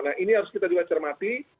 nah ini harus kita juga cermati